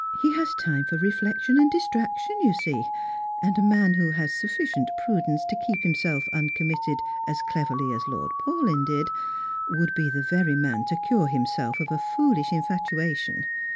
He has time for reflection and distraction, you see; md a man who has snfiicient prudence tc keep himself uncom? mitted as cleverly as Ijord Paulyn did, would be the very man to cure himself of a foolish infatuation.